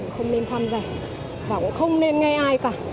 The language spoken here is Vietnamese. không nên tham gia và cũng không nên nghe ai cả